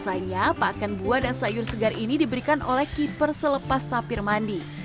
selainnya pakan buah dan sayur segar ini diberikan oleh keeper selepas tapir mandi